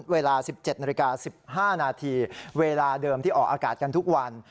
เวลา๑๗นาฬิกา๑๕นาทีเวลาเดิมที่ออกอากาศกันทุกวัน